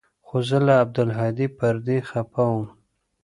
خو زه له عبدالهادي پر دې خپه وم.